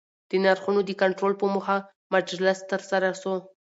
د نرخونو د کنټرول په موخه مجلس ترسره سو